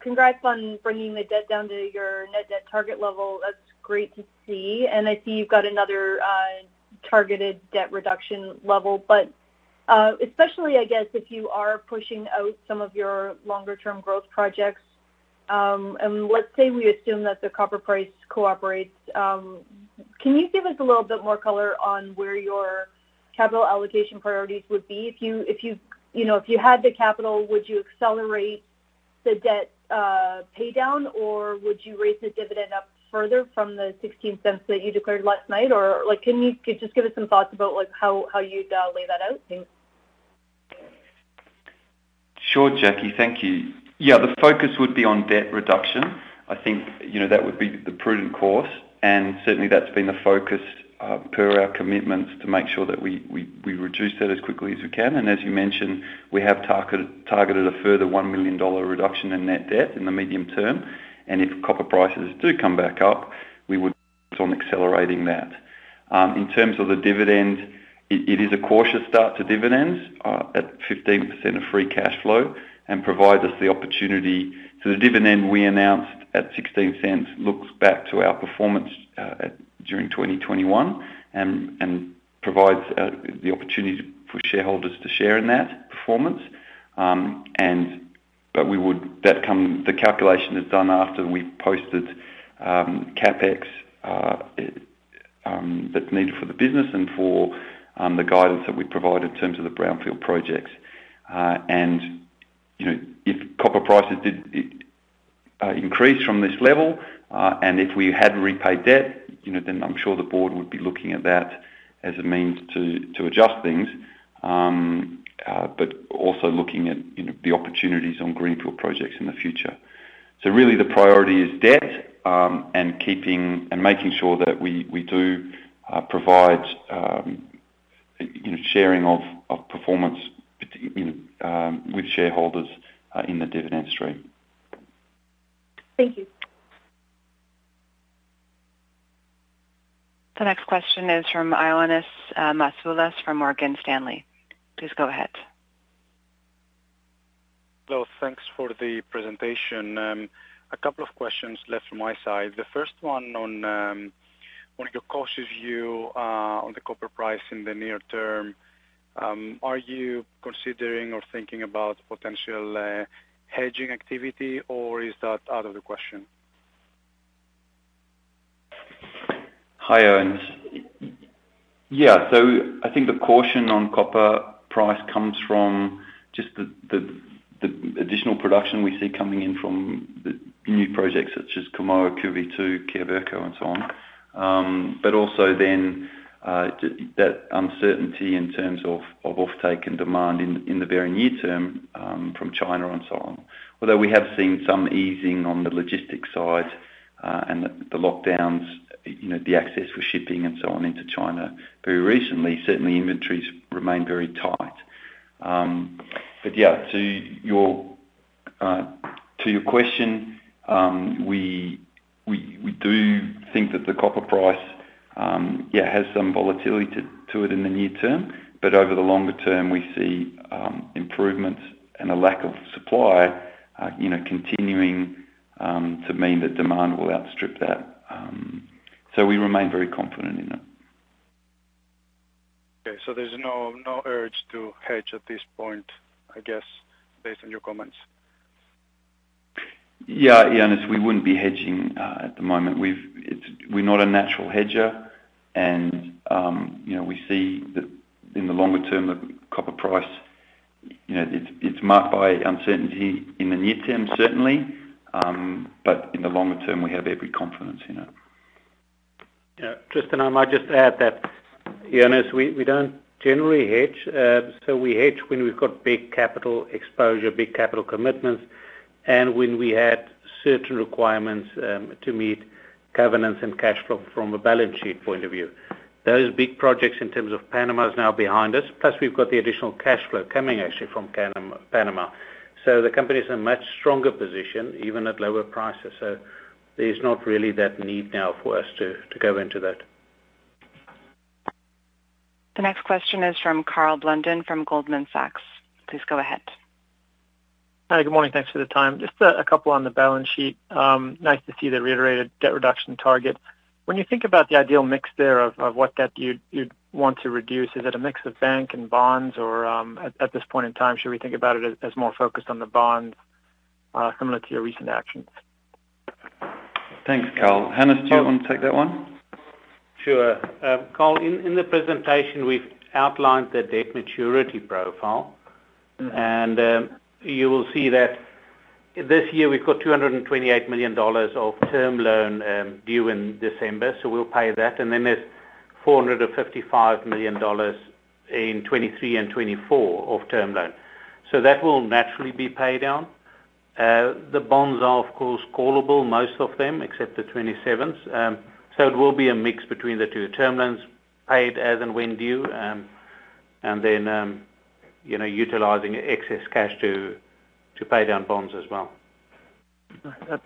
Congrats on bringing the debt down to your net debt target level. That's great to see. I see you've got another targeted debt reduction level. Especially, I guess, if you are pushing out some of your longer-term growth projects, and let's say we assume that the copper price cooperates, can you give us a little bit more color on where your capital allocation priorities would be? If you know, if you had the capital, would you accelerate the debt pay down, or would you raise the dividend up further from the 0.16 that you declared last night? Like, can you just give us some thoughts about how you'd lay that out? Thanks. Sure, Jackie. Thank you. Yeah, the focus would be on debt reduction. I think, you know, that would be the prudent course, and certainly that's been the focus per our commitments to make sure that we reduce that as quickly as we can. As you mentioned, we have targeted a further $1 million reduction in net debt in the medium term. If copper prices do come back up, we would focus on accelerating that. In terms of the dividend, it is a cautious start to dividends at 15% of free cash flow and provides us the opportunity. The dividend we announced at $0.16 looks back to our performance during 2021 and provides the opportunity for shareholders to share in that performance. The calculation is done after we've posted CapEx that's needed for the business and for the guidance that we provide in terms of the brownfield projects. You know, if copper prices did increase from this level and if we had repaid debt, you know, then I'm sure the board would be looking at that as a means to adjust things, but also looking at, you know, the opportunities on greenfield projects in the future. Really the priority is debt and keeping and making sure that we do provide, you know, sharing of performance, you know, with shareholders in the dividend stream. Thank you. The next question is from Ioannis Masvoulas from Morgan Stanley. Please go ahead. Well, thanks for the presentation. A couple of questions left from my side. The first one on one of your cautious view on the copper price in the near term. Are you considering or thinking about potential hedging activity, or is that out of the question? Hi, Ioannis. Yeah. I think the caution on copper price comes from just the additional production we see coming in from the new projects such as Kamoa, QB2, Cobre, and so on. Also then that uncertainty in terms of off-take demand in the very near term from China and so on. Although we have seen some easing on the logistics side, and the lockdowns, you know, the access for shipping and so on into China very recently, certainly inventories remain very tight. Yeah, to your question, we do think that the copper price has some volatility to it in the near term, but over the longer term, we see improvements and a lack of supply, you know, continuing to mean that demand will outstrip that. We remain very confident in it. Okay. There's no urge to hedge at this point, I guess, based on your comments. Yeah, Ioannis, we wouldn't be hedging at the moment. We're not a natural hedger, and you know, we see that in the longer term, the copper price, you know, it's marked by uncertainty in the near term, certainly. In the longer term, we have every confidence in it. Yeah. Tristan, I might just add that, Ioannis, we don't generally hedge. We hedge when we've got big capital exposure, big capital commitments, and when we had certain requirements to meet governance and cash flow from a balance sheet point of view. Those big projects in terms of Panama is now behind us. Plus, we've got the additional cash flow coming actually from Panama. The company is in a much stronger position, even at lower prices. There's not really that need now for us to go into that. The next question is from Karl Blunden from Goldman Sachs. Please go ahead. Hi. Good morning. Thanks for the time. Just a couple on the balance sheet. Nice to see the reiterated debt reduction target. When you think about the ideal mix there of what debt you'd want to reduce, is it a mix of bank and bonds, or at this point in time, should we think about it as more focused on the bonds, similar to your recent actions? Thanks, Karl. Hannes, do you want to take that one? Sure. Karl, in the presentation, we've outlined the debt maturity profile. Mm-hmm. You will see that this year we've got $228 million of term loan due in December, so we'll pay that. Then there's $455 million in 2023 and 2024 of term loan. That will naturally be paid down. The bonds are, of course, callable, most of them, except the 2027s. It will be a mix between the two term loans paid as and when due. You know, utilizing excess cash to pay down bonds as well.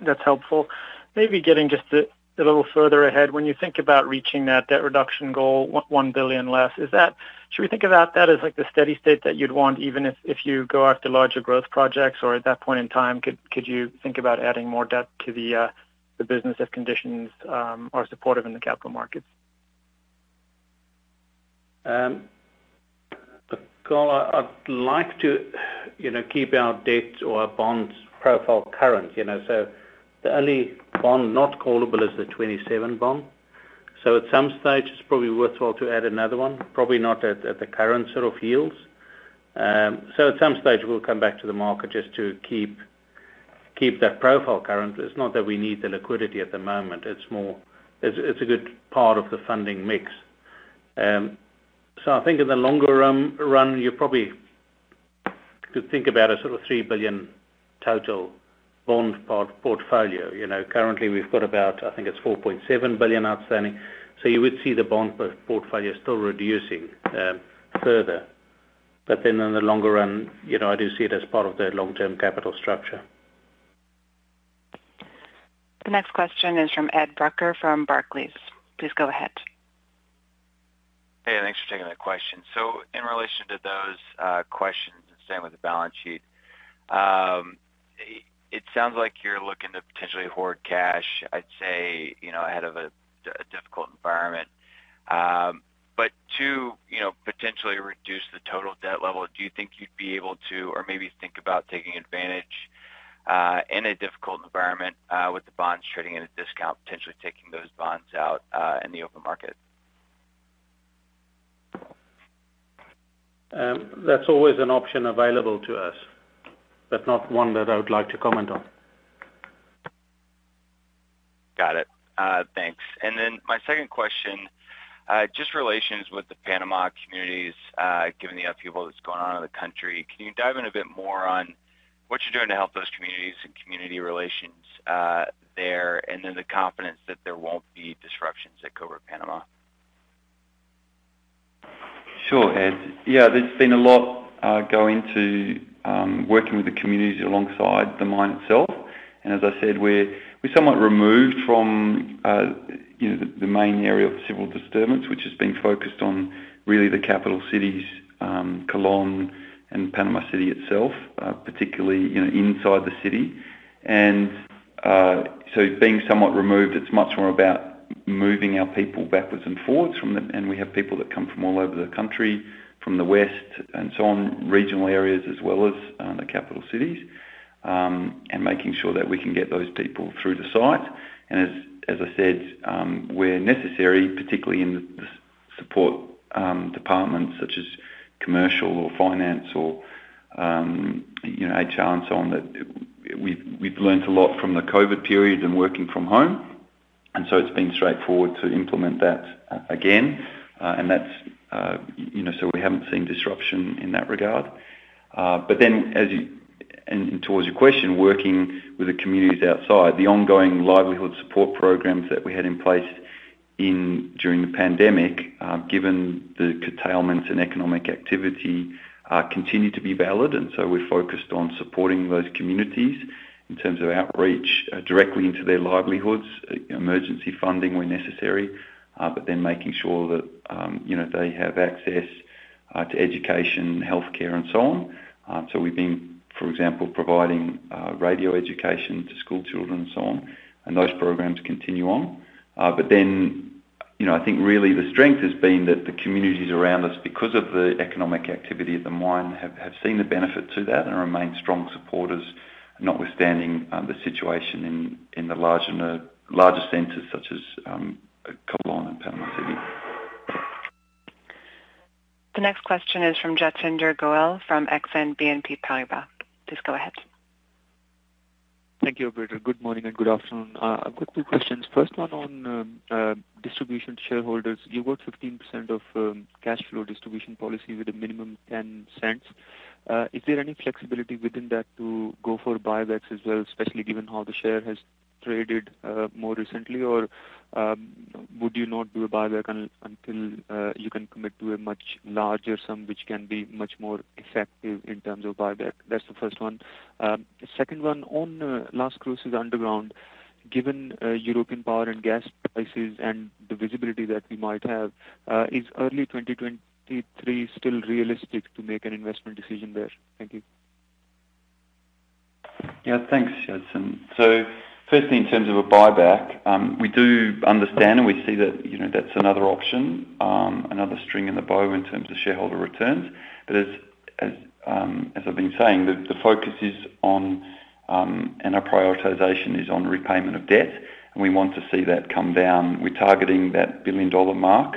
That's helpful. Maybe getting just a little further ahead. When you think about reaching that debt reduction goal, $1 billion less, should we think about that as, like, the steady state that you'd want, even if you go after larger growth projects? At that point in time, could you think about adding more debt to the business if conditions are supportive in the capital markets? Look, Karl, I'd like to, you know, keep our debt or our bonds profile current, you know. The only bond not callable is the 2027 bond. At some stage, it's probably worthwhile to add another one, probably not at the current sort of yields. At some stage, we'll come back to the market just to keep that profile current. It's not that we need the liquidity at the moment, it's more. It's a good part of the funding mix. I think in the longer run, you probably could think about a sort of $3 billion total bond portfolio. You know, currently, we've got about, I think it's $4.7 billion outstanding. You would see the bond portfolio still reducing further in the longer run, you know, I do see it as part of the long-term capital structure. The next question is from Edward Brucker from Barclays. Please go ahead. Hey, thanks for taking that question. In relation to those questions and same with the balance sheet, it sounds like you're looking to potentially hoard cash, I'd say, you know, ahead of a difficult environment. But to, you know, potentially reduce the total debt level, do you think you'd be able to, or maybe think about taking advantage in a difficult environment with the bonds trading at a discount, potentially taking those bonds out in the open market? That's always an option available to us, but not one that I would like to comment on. Got it. Thanks. My second question, just relations with the Panama communities, given the upheaval that's going on in the country. Can you dive in a bit more on what you're doing to help those communities and community relations, there, and then the confidence that there won't be disruptions at Cobre Panamá? Sure, Ed. Yeah, there's been a lot going into working with the communities alongside the mine itself. As I said, we're somewhat removed from, you know, the main area of civil disturbance, which has been focused on really the capital cities, Colón and Panama City itself, particularly, you know, inside the city. Being somewhat removed, it's much more about moving our people backwards and forwards, and we have people that come from all over the country, from the west and so on, regional areas as well as the capital cities, and making sure that we can get those people through the site. As I said, where necessary, particularly in the support departments such as commercial or finance or, you know, HR and so on, that we've learned a lot from the COVID period and working from home. It's been straightforward to implement that again. That's, you know, so we haven't seen disruption in that regard. Towards your question, working with the communities outside. The ongoing livelihood support programs that we had in place during the pandemic, given the curtailments in economic activity, continue to be valid. We're focused on supporting those communities in terms of outreach, directly into their livelihoods, emergency funding where necessary, but then making sure that, you know, they have access to education, healthcare and so on. We've been, for example, providing radio education to school children and so on, and those programs continue on. You know, I think really the strength has been that the communities around us, because of the economic activity of the mine, have seen the benefit to that and remain strong supporters, notwithstanding the situation in the larger centers such as Colón and Panama City. The next question is from Jatinder Goel from Exane BNP Paribas. Please go ahead. Thank you, operator. Good morning and good afternoon. I've got two questions. First one on distribution to shareholders. You've got 15% of cash flow distribution policy with a minimum $0.10. Is there any flexibility within that to go for buybacks as well, especially given how the share has traded more recently? Or would you not do a buyback until you can commit to a much larger sum which can be much more effective in terms of buyback? That's the first one. Second one, on Las Cruces underground, given European power and gas prices and the visibility that we might have, is early 2023 still realistic to make an investment decision there? Thank you. Yeah. Thanks, Jatinder. Firstly, in terms of a buyback, we do understand and we see that, you know, that's another option, another string in the bow in terms of shareholder returns. But as I've been saying, the focus is on, and our prioritization is on repayment of debt, and we want to see that come down. We're targeting that $1 billion mark,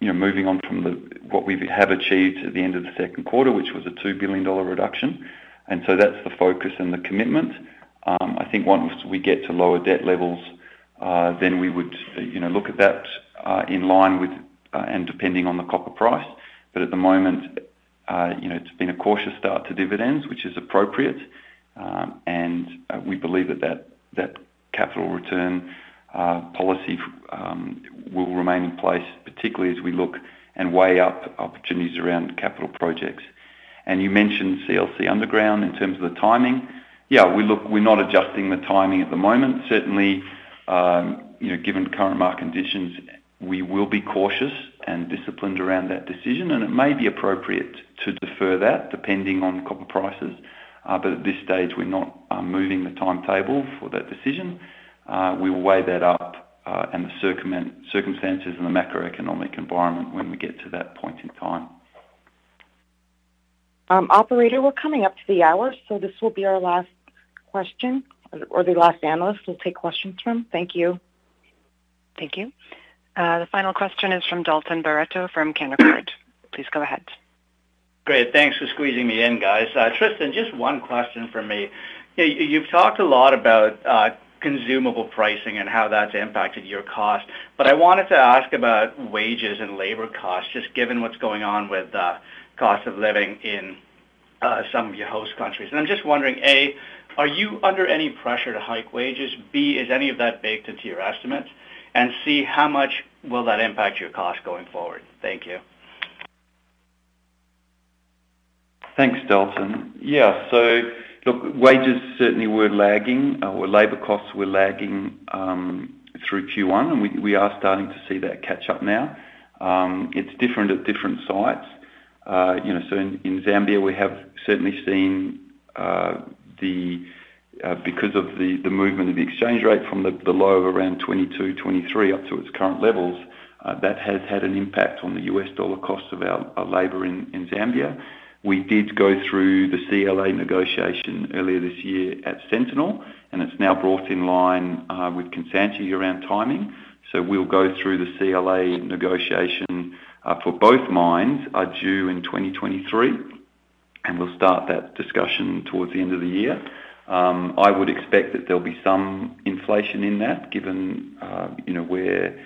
you know, moving on from what we have achieved at the end of the second quarter, which was a $2 billion reduction. That's the focus and the commitment. I think once we get to lower debt levels, then we would look at that in line with and depending on the copper price. But at the moment, you know, it's been a cautious start to dividends, which is appropriate. We believe that capital return policy will remain in place, particularly as we look and weigh up opportunities around capital projects. You mentioned Cobre Las Cruces underground in terms of the timing. We're not adjusting the timing at the moment. Certainly, you know, given current market conditions, we will be cautious and disciplined around that decision, and it may be appropriate to defer that depending on copper prices. But at this stage, we're not moving the timetable for that decision. We will weigh that up, and the circumstances in the macroeconomic environment when we get to that point in time. Operator, we're coming up to the hour, so this will be our last question or the last analyst we'll take questions from. Thank you. Thank you. The final question is from Dalton Barretto from Canaccord. Please go ahead. Great. Thanks for squeezing me in, guys. Tristan, just one question from me. You've talked a lot about consumable pricing and how that's impacted your cost, but I wanted to ask about wages and labor costs, just given what's going on with cost of living in some of your host countries. I'm just wondering, A, are you under any pressure to hike wages? B, is any of that baked into your estimates? And C, how much will that impact your cost going forward? Thank you. Thanks, Dalton. Yeah. Look, wages certainly were lagging. Labor costs were lagging through Q1, and we are starting to see that catch up now. It's different at different sites. You know, in Zambia, we have certainly seen because of the movement of the exchange rate from the low of around $0.22, $0.23 up to its current levels, that has had an impact on the US dollar cost of our labor in Zambia. We did go through the CBA negotiation earlier this year at Sentinel, and it's now brought in line with Kansanshi around timing. We'll go through the CBA negotiation for both mines, are due in 2023, and we'll start that discussion towards the end of the year. I would expect that there'll be some inflation in that given, you know, where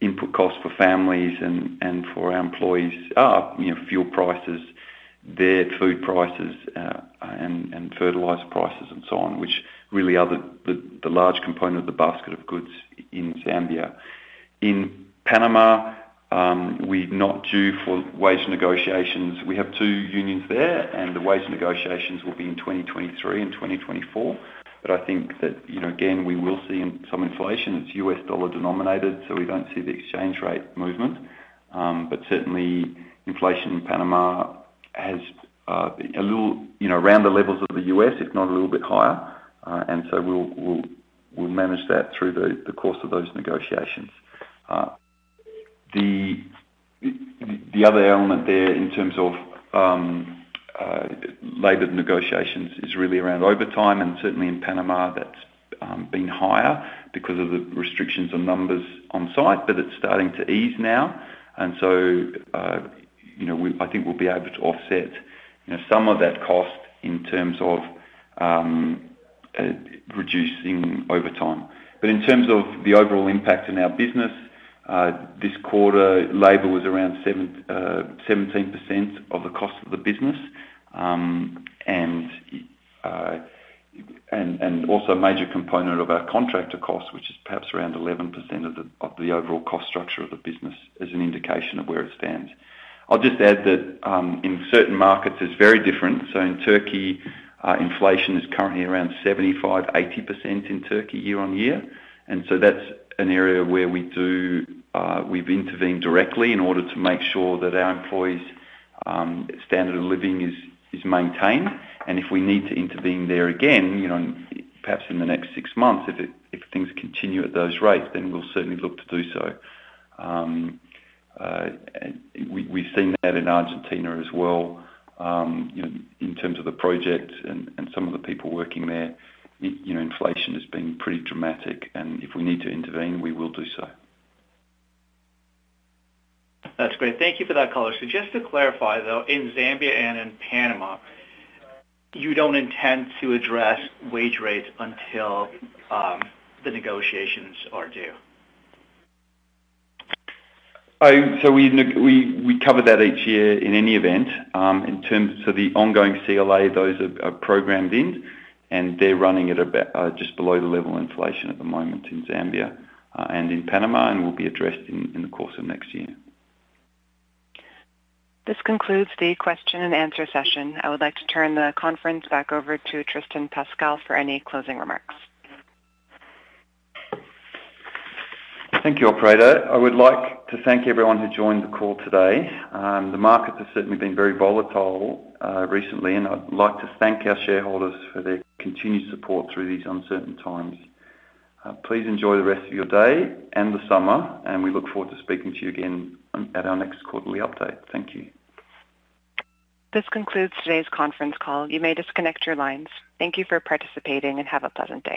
input costs for families and for our employees are, you know, fuel prices, their food prices, and fertilizer prices and so on, which really are the large component of the basket of goods in Zambia. In Panama, we're not due for wage negotiations. We have two unions there, and the wage negotiations will be in 2023 and 2024. I think that, you know, again, we will see some inflation. It's US dollar denominated, so we don't see the exchange rate movement. Certainly inflation in Panama has a little, you know, around the levels of the U.S., if not a little bit higher. We'll manage that through the course of those negotiations. The other element there in terms of labor negotiations is really around overtime, and certainly in Panama that's been higher because of the restrictions on numbers on site, but it's starting to ease now. You know, I think we'll be able to offset, you know, some of that cost in terms of reducing overtime. In terms of the overall impact in our business, this quarter labor was around 17% of the cost of the business. Also a major component of our contractor cost, which is perhaps around 11% of the overall cost structure of the business as an indication of where it stands. I'll just add that, in certain markets it's very different. In Turkey, inflation is currently around 75%-80% year-over-year. That's an area where we've intervened directly in order to make sure that our employees' standard of living is maintained. If we need to intervene there again, you know, perhaps in the next six months if things continue at those rates, then we'll certainly look to do so. We've seen that in Argentina as well, you know, in terms of the project and some of the people working there. You know, inflation has been pretty dramatic, and if we need to intervene, we will do so. That's great. Thank you for that color. Just to clarify, though, in Zambia and in Panama, you don't intend to address wage rates until the negotiations are due? We cover that each year in any event. In terms of the ongoing CBA, those are programmed in, and they're running at about just below the level of inflation at the moment in Zambia and in Panama and will be addressed in the course of next year. This concludes the question and answer session. I would like to turn the conference back over to Tristan Pascall for any closing remarks. Thank you, operator. I would like to thank everyone who joined the call today. The markets have certainly been very volatile recently, and I'd like to thank our shareholders for their continued support through these uncertain times. Please enjoy the rest of your day and the summer, and we look forward to speaking to you again at our next quarterly update. Thank you. This concludes today's conference call. You may disconnect your lines. Thank you for participating, and have a pleasant day.